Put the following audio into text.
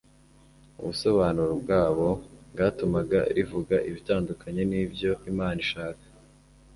Ubusobanuro bwabo bwatumaga rivuga ibitandukanye n'ibyo Imana ishaka.